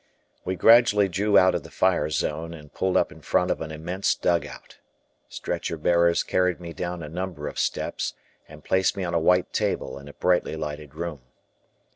We gradually drew out of the fire zone and pulled up in front of an immense dugout. Stretcher bearers carried me down a number of steps and placed me on a white table in a brightly lighted room.